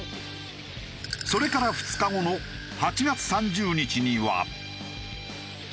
それから２日後の８月３０日には。